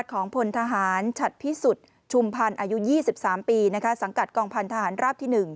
ของพลทหารฉัดพิสุทธิ์ชุมพันธ์อายุ๒๓ปีสังกัดกองพันธหารราบที่๑